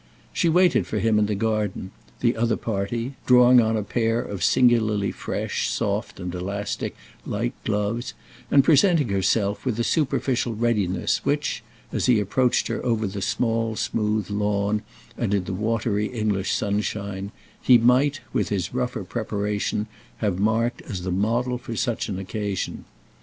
She waited for him in the garden, the other party, drawing on a pair of singularly fresh soft and elastic light gloves and presenting herself with a superficial readiness which, as he approached her over the small smooth lawn and in the watery English sunshine, he might, with his rougher preparation, have marked as the model for such an occasion.